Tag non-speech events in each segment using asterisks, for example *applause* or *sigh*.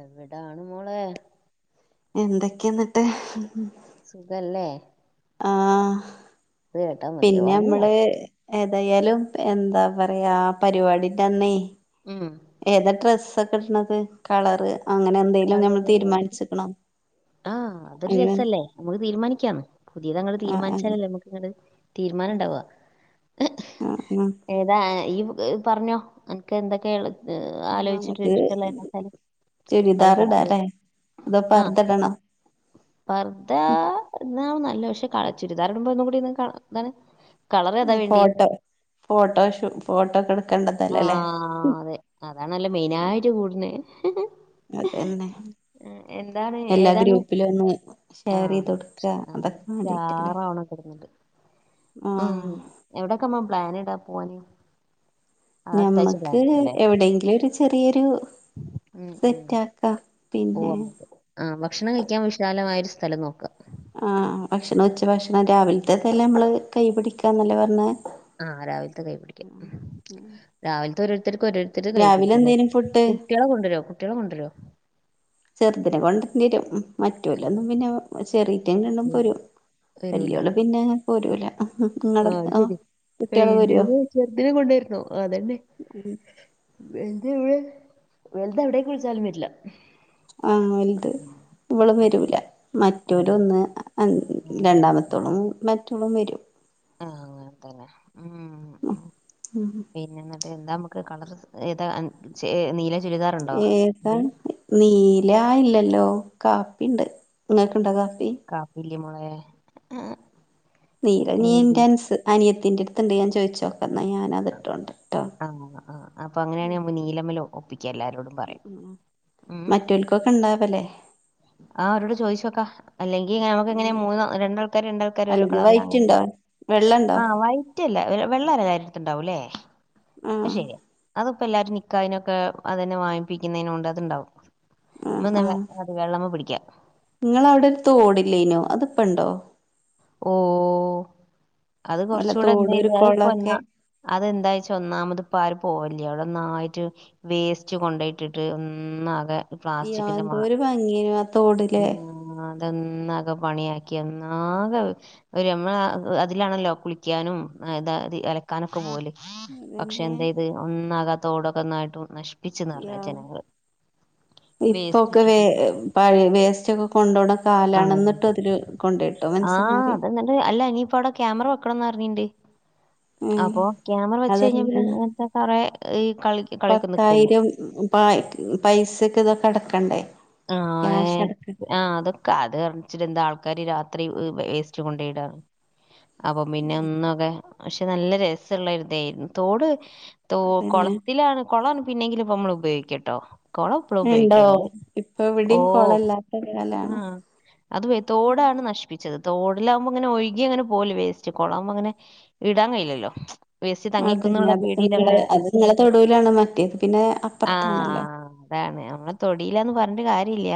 എവിടാണ് മോളെ എന്തൊക്കെയ എന്നിട്ട് സുഖല്ലേ ആഹ് ഇത് കേട്ടാ മതി പിന്നെ ഉറങ്ങിയോ മ്മള് ഏതായാലും എന്താ പറയാ പരിപാടിന്റന്നെയ് ഉം ഏതാ ഡ്രസ്സൊക്കെ ഇടണത് കളറ് അങ്ങനെ എന്തെലും ഞമ്മൾ തീരുമാനിച്ചിക്കണോ ആഹ് അതൊരു അങ്ങനെ രസല്ലേ നമുക്ക് തീരുമാനിക്കാം പുതിയതങ്ങട് ആ ആ തീരുമാനിച്ചാലല്ലേ നമുക്കങ്ങട് തീരുമാനം ഉണ്ടാവ ആ ആ ഏതാ ഈ പറഞ്ഞോ എനക്ക് എന്തൊക്കെയ ആലോചിച്ചിട്ട് നമുക്ക് ഇഷ്ട്ടുള്ളതെതാച്ചാല് ചുരിദാർ *unintelligible* ഇടാല്ലേ അതോ ആ പർദ്ദ ഇടണോ പർദ ഇടണാണ് നല്ല അല്ല പക്ഷെ കള ചുരിദാർടുമ്പോന്നും കൂടി ഇതാണ് കളർ ഏതാ വേണ്ടിയ ഫോട്ടോ ഫോട്ടോ ഷൂ ഫോട്ടോ ഒക്കെ എടുക്കേണ്ടതല്ലേ ആഹ അല്ലേ അതെ അതാണ നല്ല മെയിനായിട്ട് കൂടുന്നത്. അതന്നെ എന്താണ് എല്ലാ ഏതാണ് ഗ്രൂപ്പിലും ഒന്ന് ഷെയർ ആഹ് ചെയ്ത് കൊടുക്കുക ആഹ് അതൊക്കെ വേണ്ടിട്ടല്ലേ സ്റ്റാറാവണം കിടന്നിട്ട് ഉം ആ എവിടൊക്കെമ്മ പ്ലൻ ഇടാ പോവാൻ ഞമ്മക്ക് എവിടെയെങ്കിലും ഒരു ചെറിയൊരു ഉം ഉം സെറ്റ് ആക്ക പോവാ നമുക്ക് ആ ഭക്ഷണം കഴിക്കാൻ വിശാലമായ ഒരു സ്ഥലം നോക്കാം. ആഹ ഭക്ഷണം ഉച്ച ഭക്ഷണം രാവിലത്തെ തല്ലെ നമ്മള് കൈ പിടിക്കാന്നല്ലേ പറഞ്ഞ ആഹ രാവിലത്തെ കൈ പിടിക്ക രാവിലത്തെ ഒരു ഒത്തക്ക് ഒരോര്ത്തര് കൈ രാവിലെ പിടിക്കില്ലേ എന്തേനും ഫുഡ് കുട്ടികളെ കൊണ്ടുവല്ലോ കുട്ടികളെ കൊണ്ടുവരോ ചെറുതിനെ കൊണ്ട തന്ന വരും മറ്റല്ല ഒന്നും പിന്നെ ചെറീറ്റങ്ങ ഇണ്ട പോരും വലിയോൾ പിന്നെ പോരൂല നിങ്ങളെ ആഹ ശരി കുട്ടികള് പോരോ ഇയിന്റെത് ചെർദിനെ കൊണ്ടായിരുന്നോ അതന്നെ വലുത ഇവിടെ വെലുത എവിടക്ക് വിളിച്ചാലും വരില്ല ആഹ് വലുത് ഉം ഇളും വരൂല ഉം മറ്റവര ആഹ് ഒന്ന് ആഹ് രണ്ടാമത്തോളം അവൻ വരും ആ അങ്ങനെ തന്നെ മ് മ് ഉം പിന്നട്ട് എന്താ നമുക്ക് കളർ ഡ്രസ്സ് ഏതാ നീല ചുരിദാറുണ്ടോ ഏതാ എന്തേല് നില ഇല്ലല്ലോ കപ്പിൻ്റ് നിനക്ക് ഉണ്ടോ കാപ്പി മ *unintelligible* നീരനീന്റെറൻസ് അനിയത്തിന്റെ അടുത്ത്ണ്ട് ഞാൻ ചോദിച്ചോ പ ഞാൻതിട്ടോണ്ട്ട്ടോ ആ ആ അപ്പൊ അങ്ങനെയാണെ നമുക്ക് നീലമ്മല് ഒപ്പിക്കാം എല്ലാരോടും പറയാം ഉം മറ്റൊക്കൊക്കെ ഇണ്ടാവല്ലേ *inaudible* ആ ഒരോട് ചോിച്ചോക്കാ അല്ലെങ്കി നമുക്ക് ഇങ്ങന രണ്ടാൾക്കാര് രണ്ടാൾക്കാർ ഓരോ അല്ലെങ്കി കളറിലാം അങ്ങനെ വൈറ്റ്ണ്ടോ വെള്ളണ്ടോ ആ് വയറ്റല്ല വെള്ളല്ല കാര്യ എടുത്തണ്ടാവൂല്ലേ ആഹ് പക്ഷേ അത് അപ്പ എല്ലരും നിക്കാഹിന്ക്കെ അതന്നെ വാങ്ങിപ്പിക്കുന്നതിന കൊണ്ട് അത്ണ്ടാവും നിങ്ങളവിടൊര തോട്ല്ലേനോ അത്പ്പ ഇണ്ടോ ഓ അത് അല്ല കുറച്ചുകൂടെ എന്ത തോട് ചെയ്ത് ഒരു അത്പ്പാ കൊളൊക്കെ അത് എന്താച്ച ഒന്നാമത് ഇപ്പ ആര് പോയ അല്ല അവിടെ നന്നായിട്ട് വേസ്റ്റ് കൊണ്ടയിട്ടിട്ട് ഒന്നാകെ യാ പ്ലാസ്റ്റിക്കിന്റെ എന്തോരു ഭംഗിയേനു ആ തോട് ല്ലേ അതന്നക പണിയാക്കിന്ന ഒരു നമ്മള അതിലാണല്ലോ കുളിക്കാനും ഇത അലക്കാനൊക്കെ പോല് പക്ഷെ അതന്നെ എന്തായത് ഒന്നാകാത്ത തോ ടൊക്കെ ഒന്നായിട്ടും നശി കുറെ യാ ജനങ്ങൾ ഇപ്പൊക്കെ വേ പഴ വേസ്റ്റ് ഒക്കെ കൊണ്ടോണ കാലാണ ആഹ് എന്നിട്ട് അതില് കൊണ്ടട്ടു മനസ്സില ആഹ് അതന്നല്ല അല്ല ഇനിയിപ്പോ അവിടെ ക്യാമറ വെക്കണംന്ന് അറിഞ്ഞിണ്ട് ഉം അപ്പൊ ക്യാമറ വെച്ച കഴിഞ്ഞാ അതല്ല പിന്ന അങ്ങനത്തെ കറ ഈ കളി കളിക്ക നിക്കല്ലോ പൈസക്ക ഇതൊക്കെ എടക്കണ്ടേ ആഹ് ഏഹ് ക്യാഷടക്കണ്ടേ ആഹ് അതൊക്കെ അത് കണിച്ചിട്ട എന്താ ആൾക്കാാര് രാത്രി വേസ്റ്റ് കൊണ്ടയിടാണ് അപ്പൊ പിന്നെ ഒന്നൊക്കെ പക്ഷെ നല്ല രസമുള്ളരിതായിരുന്നു തോട് ത അതന്നെ കുളത്തിലാണ് കുളംമാണ് പിന്നെങ്കിലി ഇപ്പൊ നമ്മള് ഉപയോഗിക്കട്ടോ കുളം ഇപ്പളും ഉണ്ടോ ഉപയോഗിക്കണ്ട് ഇപ്പൊ ഓ ഇവിടെയും കൊളല്ലാത്ത ആ കാലാണ് അത് തോടാങ്ങട്ട് നശി പ്പിച്ചത് തോടിലാവകുമ്പോ അങ്ങെ ഒഴുകി അങ്ങനെ പോവുല്ലോ വേസ്റ്റ് കോളാകുമ്പോ അങ്ങനെ ഇടാൻ കഴയില്ലല്ലോ വേസ്റ്റ് അതന്നെ തങ്ങിക്കുന്നുള്ള അത് പേടിൽ അങ്ങനെ നിങ്ങള് അത് നിങ്ങളെ തൊടുവിലാണ് മറ്റേത് പിന്നെ ആ അപ്പുറത്താണല്ലോ അതാണ് നമ്മെ തൊടിലന്ന് പറഞ്ഞ കാര്യല്ല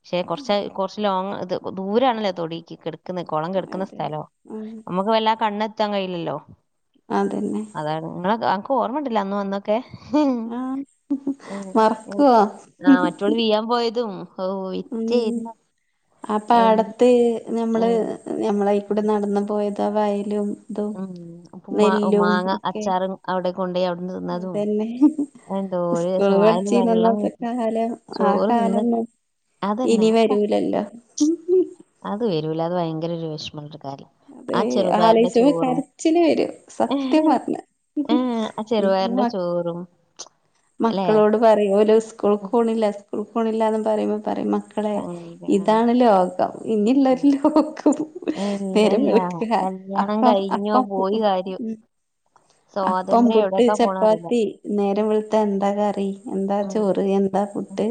പക്ഷെ കുറച്ച് കുറച്ച് ലോങ് ഇത് ദൂരണല്ലേ തൊടി ക്കുന്ന് കുളം കെട്ക്കുന്ന അതെ സ്ഥലോ ഉം നമ്മുക്ക് വല്ലാ കണ്ണെത്താൻ കഴിയില്ലല്ലോ അതന്നെ അതാണ് ങ്ങളെ അനക്ക് ഓർമണ്ട്ലേ അന്ന് വന്നൊക്കെ ആഹ് മറക്കുവോ ആ മാറ്റോള് വീഴാ തും ഹൗ ഉം റ്റേര്ന്ന് ആ പാടത്ത് ഞമ്മള് ഞമ്മളായിക്കൂടെ നടന്നു പോയത ആ വയലും ഇതും ഉം ഉപ്മ നെല്ലും മാങ്ങ ഒക്കെ അച്ചാറും അവിടെ കൊണ്ടോയി കൊടു അതന്നെ രസം സ്കൂള് വായില് വെള്ളം പഠിചീന്നന്നത്തെ വരും കാലം ആ ചോറ് തിന്ന് കാലന്ന് അതന്നെ ഇനി ആ വരൂലല്ലോ അത് വരൂല അത് ഭയങ്കര ഒരു വിഷമണ്ട് അത് ആ ചെറുപയ്റിൻ്റെ ആലോയിച്ചുമ്പോ ചോറും കരച്ചില് വരും സത്യം പറഞ്ഞ ഏ ആ ഈ ചെറ്പയറിൻ്റെ മ ചോറും അല്ലെ മക്കളോട് പറയും ഓല് സ്കൂക്ക് കോണില്ല സ്കൂക്ക് കോണില്ലന്ന് പറയുമ്പോ പറയും മക്ക മക്കളെ ഇതാണ് ലോകം ഇനുള്ളരു ലോകം ഇല്ല ഇല്ല നേരംവെളുകാ കല്യാണം അപ്പം കഴിഞ്ഞോ അപ്പം പോയി കാര്യം മ് അപ്പം സ്വാതന്ത്ര്യം പുട്ട് എവിടെക്കാ പോണ അറിയില്ല ചപ്പാത്തി നേര ന്നേരം വെള്ത്ത എന്താ കറി എന്താ ഉം ചോറ് എന്താ ഉം ഫുഡ്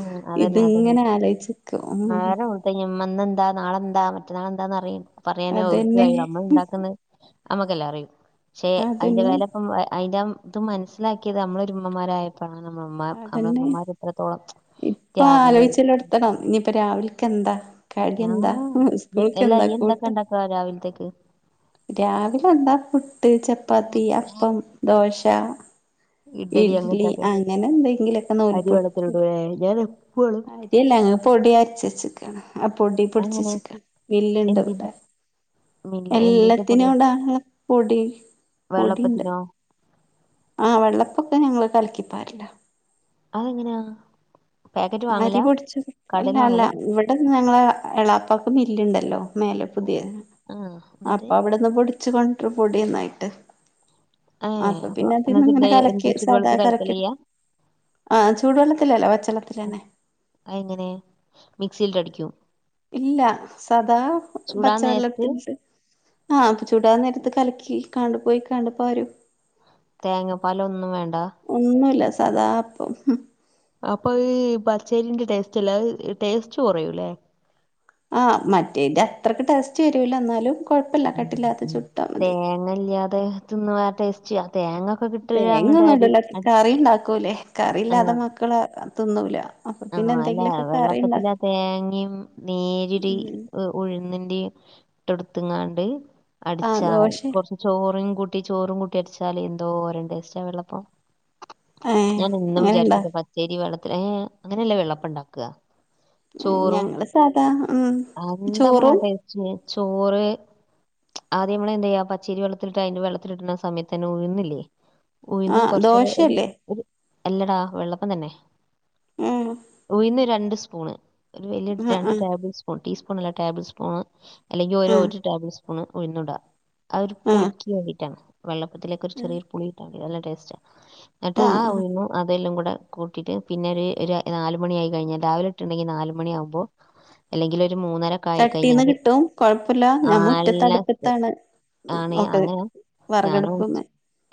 ഉം അതന്നെ അതന്നെ ഇതിങ്ങനെ ആലോയ്ചിക്കു മ്മ ന്നെന്താ നാളെന്താ മറ്റന്നാളെന്താന്ന് അറിയുംപറയാനേ ഓർക്ക് അതന്നെ കഴിയൂ നമ്മൾ ഇണ്ടാക്ക്ന്ന് നമ്മുക്കല്ലേ അറിയു പക്ഷേ അയിന്റെ അതന്നെ വേലപ്പം അതിന്റെ ഇത് മനസ്സിലാക്കിയത് നമ്മളൊരു ഉമ്മമാരായപ്പോ നമ്മമ്മമാ അതന്നെ നമ്മളമ്മമാർ എത്രത്തോളം ഇപ്പൊ ആലോയിച്ചലൊട്ത്തണം ഞ്ഞിപ്പ രാവിൽക്കെന്താ കടി ഞാ എന്താ ഇ എല്ലാ സ്കൂൾക്കെന്താ ഇയ്യ് എന്തൊക്കെ കൂട്ട് ഇണ്ടാക്കാ രാവിലത്തേക്ക് രാവിലെ എന്താ പുട്ട് ചപ്പാത്തി അപ്പം ദോശ ഇഡ്ഡലി ഇഡ്ലി അങ്ങനത്തൊക്കെ അങ്ങനെ എന്തെങ്കിലൊക്കെ അരി നൂൽപുട്ട് വെള്ളത്തിലിടുവേ ഞാൻ എപ്പളും അരില്ല ങ്ങള് പൊടി അരചെച്ച്ക്കാണ് ആ പൊടി അങ്ങനെ പൊടിച്ചച്ച്ക്കാണ് മില്ല് ണ്ട് ഇവടെ എന്തിന്റെ മില്ല എന്തിന്റെ എല്ലത്തിനും പൊടിയാ ഇടാള്ള പൊടി പൊടിണ്ട് വെള്ളപ്പത്തിനോ ആ വെള്ളപ്പൊക്കെ ഞങ്ങള് കലക്കിപ്പാരലാ അതെങ്ങനാ അരി പൊടിച്ച അല്ല അല്ല വാങ്ങലാ ഇവിടെ ഞങ്ങള എളാപാക്ക് മില്ല്ണ്ടല്ലോ മേലെ പുതിയ ആഹ് എന്നിട്ട് അപ്പൊ അവിടെന്ന് പൊടിച്ച് കൊണ്ടരു പൊടിന്നായിട്ട് ഏഹ് അപ്പൊ പിന്നെ എന്നിട്ട് എന്ത അതിന്ന്ങ്ങനെ എന്ത് കലക്കി സാധാ ചുടുവെള്ളത്തി കലക്കി കലക്കലാ ചെയ്യാ ആ ചൂടുവെള്ളത്തിലല്ല പച്ചെള്ളത്തിലാ അത്ങ്ങനെ മിക്സീൽട്ടടിക്കും ഇല്ല സദാ ചൂടാൻ നേരത്ത് പച്ചവെള്ളത്തിലിട്ട് ആ പ്പൊ ചൂടാ നേരത്ത് കലക്കി പൊയ്ക്കണ്ട് ഇപ്പൊ വരും തേങ്ങ പലൊന്നും വേണ്ട ഒന്നുംല്ല സാദാ അപ്പം അപ്പൊ ഈ പച്ചേരിന്റെ ടേസ്റ്റ് അല്ല ടേസ്റ്റ് കുറയൂലെ ആ മറ്റേ ഇൻ്റെ അത്രക്ക് ടേസ്റ്റ് വരൂല ന്നാലും തേങ്ങല്ലാതെ തിന്ന വേറെ ടേസ്റ്റാ തേങ്ങൊന്നും ഇടല അടിക്ക് കറിണ്ടാക്കൂലേ കറില്ലാതെ മക്കള് തിന്നൂല അപ്പൊ ആ പിന്നെ അല്ലാ എന്തെങ്കിലൊക്കെ കറി വെള്ളപ്പത്തിലെ ആ ഇണ്ടാക്കും തേങ്ങിം നേര്യരു ഉം ഉഴുന്നിൻ്റെം ഇട്ടോടുത്ത്ങ്ങാണ്ട് ആഹ് അടിച്ചാമയി ദോശെ കുറച്ച് ചോറും കൂട്ടി ട്ടി ചോറും കൂട്ടിഅടിച്ചാല് എന്തോരം ടേസ്റ്റാ വെള്ളപ്പം ഏഹ് ഞാനെന്നും അങ്ങനെണ്ടാ വിചാരിക്കൽണ്ട് പച്ചേരി വെള്ളത്തി ഏ അങ്ങനെല്ലേ വെളപ്പം ണ്ടാക്കാ ചോറും ഞങ്ങള് സാധാ ഉം അന്തന്തളേ ചോറും ടേസ്റ്റ് ചോറ് ആദ്യം നമ്മള് ന്തെയ്യാ പച്ചേരി വെള്ളത്തിലിട്ടാ അയിന് വെള്ളത്തിലിട്ണ സമയത്തെന്നെ ഉഴുന്നില്ലേ ഉഴുന്ന് ആഹ് കുറച്ഒരു ദോശല്ലേ എല്ലടാ വെള്ളപ്പം തന്നെ ഉം ഉഴുന്ന് രണ്ട് സ്പൂണ് ഒരു വലിയ ആഹ് രണ്ട് ആഹ് ടേബിൾ സ്പൂൺ ടീസ്പൂൺ അല്ല ടേബിൾ സ്പൂണ് അല്ലെങ്കിൽ ഒരുരോ ആഹ് ഒരു ടേബിൾ സ്പൂണ് ഉഴുന്നുടാ ആ ഒരു ആഹ് പുളക്ക് വണ്ടിയിട്ടാണ് വെള്ളപ്പത്തിലേക്ക ഒരു ചെറിയൊരു പുളിയിട്ടാ നല്ല ടേസ്റ്റാണ് എന്നിട്ട് ആഹ് ആ ആഹ് ഉഴുന്ന് അതെല്ലാം കൂടെ കൂട്ടിട്ട് പിന്നെ ഒരു നാല്മണി ആയി കഴിഞ്ഞാൽ രാവിലെ ഇട്ടുണ്ടെങ്കിൽ നാല്മണിയാവുമ്പോഅല്ലെങ്കിൽ മൂന്നര ക ആയി ചട്ടീന്ന് കഴിഞ്ഞാല് കിട്ടും കൊഴപ്പല്ല ഞാൻ മുറ്റത്ത് ആല്ല അടുപ്പത്താണ് ആണ ഒക്കെ അങ്ങനെ ഞാനും വെറകടുപ്പ്മ്മെ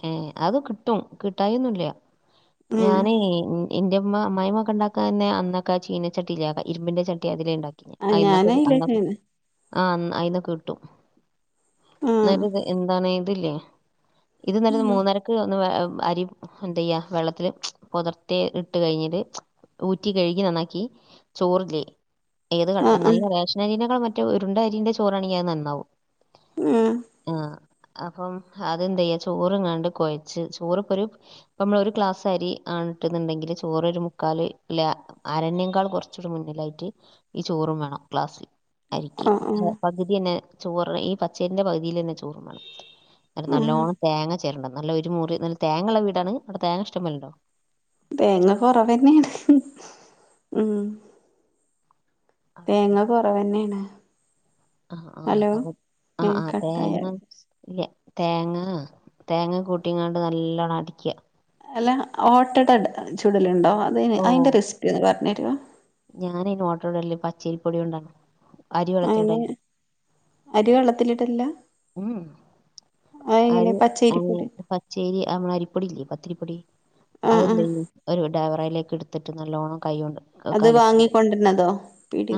ഏ അത് കിട്ടും കിട്ടായിന്നല്ല ഉം ഞാന എന്റെ അമ്മായിയമക്കണ്ടാക്ക ക്കെ തന്നെ അന്നൊക്കെ ചീനച്ചട്ടിയില ഇരുമ്പിന്റെ ചട്ടി അതില ആഹ് ഉണ്ടാക്കിന്നൊക്കെെ ഞാനയിലെന്നേണ് ആ അയിന്നൊ കിട്ടും ആഹ് എന്നട്ട ഇത് എന്താണ് ഇതില്ലേ ഇതന്നേരം ആഹ് മൂന്നരക്ക് ഒന്ന് അരി എന്ത ചെയ്യ വെള്ളത്തില്ൽ പൊതത്തെ ഇട്ട് കഴിഞ്ഞട്ട് ഊറ്റി കഴുകി നന്നാക്കി ചോറിലേ ആഹ് ഏതനല്ല റേഷനരിനകാൾ മറ്റ മറ്റ ഉരുണ്ട അരിന്റെ ചോറണങ്കിയാ നന്നാവും ആഹ് ആ അപ്പം അതെന്ത ചെയ്യാ ചോറ് ഇങ്ങാണ്ട് കൊഴച്ച് ചോറ് ഇപ്പൊ ഒരു ഇ നമ്മള ഒരു ക്ലാസ് രി ഇട്ടെന്ന്ണ്ടെങ്കിൽ ചോറൊരു ക്കാല്ല്ല അരണ്യക്കാൾ കുറച്ചൂടി മുന്നിലായിട്ട് ഈ ചോറും വേണം ക്ലാസ്സിൽ അരിക്ക ആഹ് ആഹ് ആഹ് പകുതി തന്നെ ചോറ് ഈ പച്ചേരിന്റെ പകുതിയിൽ തന്നെ ചോറ് വേണം ആഹ് നല്ലോണം തേങ്ങ ചേരണ്ടത് നല്ല ഒരുമ മുറി നല്ല തേങ്ങ ഉള്ള വീടാണ് അവിടെ തേങ്ങ ഇഷ്ട പോലണ്ടോ തേങ്ങ കൊറവന്നെയാണ് ഉ തേങ്ങ കൊറവ തന്നെയാണ് ആ ആ അ ആ ഉം ആ കട്ടായ അത തേങ്ങ തേങ്ങ കൂട്ടിങ്ങണ്ട് നല്ലോണ്ണം അടിക്കുക അല്ല ഓട്ടട ചുടലുണ്ടോ അതിന് ഓഹ് അതിന്റെ റസ്പ്പി പറഞ്ഞു തരോ ച്ചീരിപ്പൊടിയ ഉണ്ട അയിനെ അരി വെള്ളത്തിലിട്ടില്ല ഉം പച്ചരിപ്പൊടി അരിപച്ചേരി നമ്മട അരിപ്പൊടി ഇല്ലേ പത്തിരിപ്പൊടി ആഹ് അതെന്ത ആഹ് ചെയ്യ ഒരു ഡൈവറലേക്ക് എടുത്തിട്ട് നല്ലോണം കൈണ്ട് അത് കല വാങ്ങിക്കൊണ്ടരുന്നതോ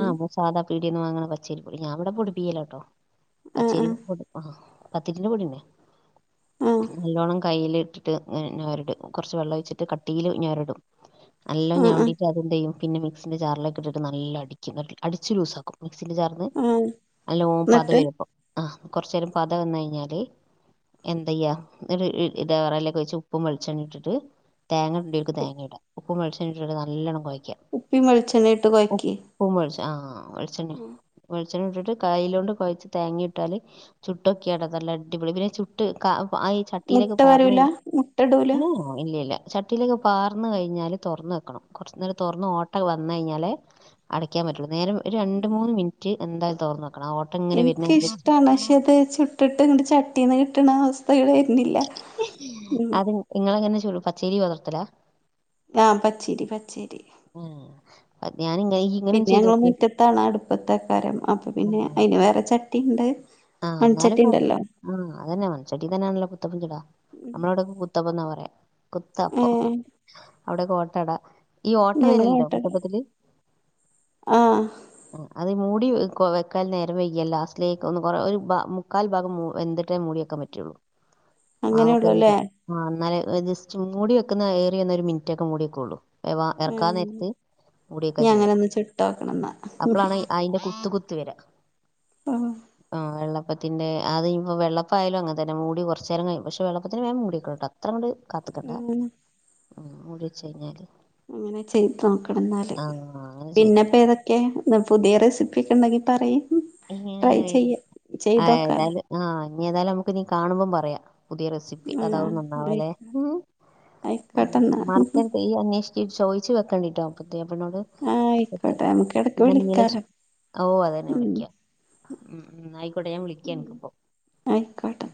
ആ സാധാ പീടയന്ന് വാങ്ങണ പച്ചേരി പൊടി ഞാൻവിടെ പൊടി പ്പിക്കല കേട്ടോ ആഹ് പച്ചേരി പത്ത് കിലോ പൊടന്നെ ആഹ് നല്ലോണം കൈൽ ഇട്ടിട്ട് ഞാരിട കുറച്ച് വെള്ളം ഒഴച്ചിട്ട് കട്ടിയിൽ ഞരിടും ആഹ് ആഹ് ആഹ് ഞല്ലാഞരടീട്ട് അതെന്തയ്യും പിന്നെ മിക്സിൻ്റൊജാ റിലൊക്കെ ഇട്ടിട്ട് നല്ല അടിച്ച് ലൂസാക്കും മിക്സിൽ ജാർന്ന് ആഹ് നല്ലോ പത എന്നിട്ട് വരുപ്പ ആ കൊറച്ച നേരം പത വന്ന കഴിഞ്ഞാല് എന്തയ്യ ഇതവറലക്കെ വെച്ച് ഉപ്പ് വെളിച്ചെണ്ണ ഇട്ടിട്ട് തേങ്ങ ഇടടുർക്ക് തേങ്ങ ഇട ഉപ്പ വെളിച്ചണ്ണ ഇട്ടിട്ട്നല്ലണ്ണം കുഴിക്കും ഉപ്പവെളിച്ചെണ്ണ ഇട്ട് കൊഴക്കി വെളിച്ച ആ വെളിച്ചെണ്ണ വെളിച്ചെണ്ണ ഇട്ടിട്ട് കൈയിലോണ്ട് കുഴച്ച് തേങ്ങിയിട്ടാൽ ചുട്ടൊക്കെയ ഇടതല്ല അടിപൊളി പിന്നെ ചുട്ട് കാ ആ ഈ മുട്ട ചട്ടിയിലൊക്കെ പാർന്ന് വരൂല മുട്ട ഇടൂല ഉ ഇല്ലല്ല ചട്ടിയിലേക്ക് പാർന്നു കഴിഞ്ഞാല് തുറന്ന് വെക്കണം കുറച്ച നേരം തുറന്ന് ഓട്ട വന്ന കഴിഞ്ഞാല് അടക്കാൻ പറ്റുള്ളനേരം ഒരു രണ്ട് മൂന്ന് മിനിറ്റ് എന്തായും തറന്നോക്കണം ആഓട്ടം എങ്ങനെ വരുന്നരിച്ച് പക്ഷത് ചുട്ടിട്ട് ഇങ്ങട്ട് ചട്ടിന്ന് കിട്ടണ അവസ്ഥകൾ വരുന്നില്ല ഉ പച്ചേരി വളർത്തല ആ പച്ചേരി പച്ചേരി ഉം അത് ഞാനിങ്ങനെ ഇയ്യ് ഇങ്ങനൊന്ന് പിന്നെ ഞങ്ങള് ചെയ്തോക്ക് മുറ്റത്താണ് അടുപ്പത്തെക്കാര്അപ്പ പിന്നെ അതിന് വേറെ ചട്ടിയുണ്ട് ആഹ എന്നാലും കൊഴ ആ അതന്നെ മൺ ചെട്ടി തന്നെയാണല്ലോ പുത്തപ്പും ചുടാ നമ്മളവിട കുത്തപ്പ എന്നാ പറയാ കുത്തപ്പം ഏഹ് അവിടെ ഓട്ടട ഈ ഓട്ട ഞങ്ങള് വരല്ലല്ല ഓട്ടട കുത്തപ്പത്തില്ൽ ആഹ് അത് മൂടി വെക്കാൽ നേരവെയ്യ ലാസ്റ്റിലേക്ക് ഒും ഒരു ഭ മുക്കാൽ ഭാഗം വന്തിട്ടേ മൂടിയാക്കാൻ പറ്റുകയുള്ളൂ. അങ്ങനെയുള്ളൂല്ലേ *unintelligible* ഇനല് ജസ്റ്റ് മൂടി വെക്കുന്ന ഏറി ഒന്ന ഒരു മിനിറ്റ് ഒക്കെ മൂടി വെക്കുള്ളൂ. വ ഇറക്കാൻ ഉം നേരത്ത് മുടിയൊക്കെ ഇനി അങ്ങനെ ചെയ്യാം ഒന്ന് ചുട്ടാക്കണം ന്നാ അപ്പോഴാണ് അതിന്റെ കുത്ത് കുത്ത്. വരാ. ആ ആഹ് വെള്ളപ്പത്തിന്റെ അത് ഇപ്പൊ വെള്ളപ്പ ആയാലോ അങ്ങന തന്നെ മൂടി കുറച്ച നേരം കഴി പക്ഷെ വെള്ളപ്പത്തിന് വേം മൂടക്കെ കേട്ടോ? അത്രയും കൂടി കാത്തിക്കണ്ട മുടി വെച്ച് കഴിഞ്ഞാൽ അങ്ങനെ ചെയ്തു നോക്കണം എന്നാല് ആഹ് അങ്ങനെ ചെയ്തോ പിന്നെപ്പൊ ഏതൊക്കെ പുതിയ റെസിപ്പിയ ഒക്കെ ഉണ്ടെങ്കി പറയി. ട്രൈ ചെയ്യാം. ആ ഏതാലും ആ ഇനി ഏതായാലും നമുക്ക് നീ കാണുമ്പം പറയാ. പുതിയ റെസിപ്പി അതാവും ആഹ് നന്നാവല്ലേ ആയിക്കോട്ടെന്നാ മാർക്ക ഈ അന്വേഷ ചോയിച്ചു വെക്കണ്ടിട്ടോ പുതിയാപ്പിളിനോട്. ആഹ് ആയിക്കോട്ടെ നമുക്ക് ഇടക്ക് പിന്നെ നില വിളിക്കാലോ ഓ അതന്നെ ഉം വിളിക്ക ഉ ഉ ആയിക്കോട്ടെ ഞാൻ വിളിക്ക എനക്ക്പ്പോ ആയിക്കോട്ടെ